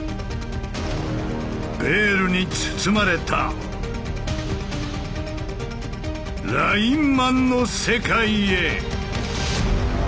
ベールに包まれたラインマンの世界へ！